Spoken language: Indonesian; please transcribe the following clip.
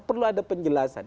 perlu ada penjelasan